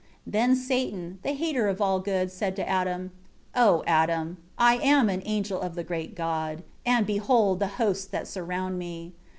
4 Then Satan, the hater of all good, said to Adam, "O Adam, I am an angel of the great God; and, behold the hosts that surround me.